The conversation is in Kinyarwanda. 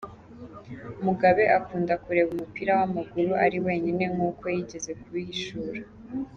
Mugabe akunda kureba umupira w’amaguru ari wenyine, nkuko yigeze kubihishura.